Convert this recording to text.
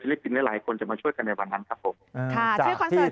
ศิลปินหลายคนจะมาช่วยกันในวันนั้นครับผมค่ะชื่อคอนเสิร์ต